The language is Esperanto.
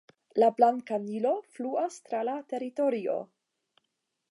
La Blanka Nilo fluas tra la teritorio.